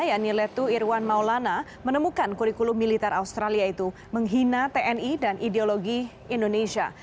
yanni letu irwan maulana menemukan kurikulum militer australia itu menghina tni dan ideologi indonesia